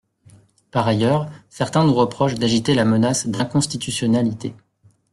Par ailleurs, certains nous reprochent d’agiter la menace d’inconstitutionnalité.